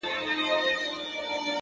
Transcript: كړۍ _كـړۍ لكه ځنځير ويـده دی _